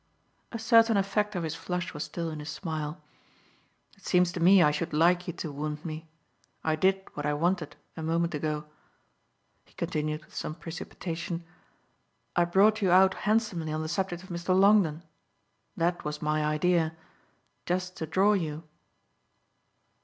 A certain effect of his flush was still in his smile. "It seems to me I should like you to wound me. I did what I wanted a moment ago," he continued with some precipitation: "I brought you out handsomely on the subject of Mr. Longdon. That was my idea just to draw you."